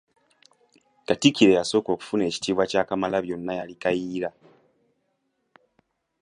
Katikkiro eyasooka okufuna ekitiibwa kya Kamalabyonna yali Kayiira.